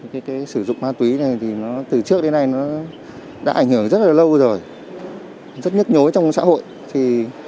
cái sử dụng ma túy này thì nó từ trước đến nay nó đã ảnh hưởng rất là lâu rồi rất nhức nhối trong xã hội